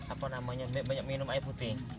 apa namanya banyak minum air putih